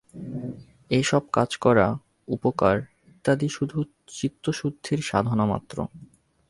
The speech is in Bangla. এই সব কাজ করা, উপকার ইত্যাদি শুধু চিত্তশুদ্ধির সাধনা মাত্র।